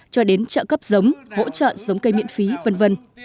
cho đến trợ cấp giống hỗ trợ giống cây miễn phí v v